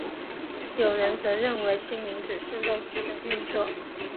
有些人则认为心灵只是肉体的运作。